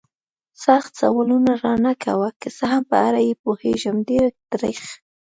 سخت سوالونه را نه کوه. که څه هم په اړه یې پوهېږم، ډېر تریخ.